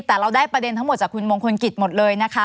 แต่เราได้ประเด็นทั้งหมดจากคุณมงคลกิจหมดเลยนะคะ